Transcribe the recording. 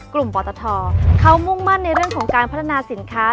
ปตทเขามุ่งมั่นในเรื่องของการพัฒนาสินค้า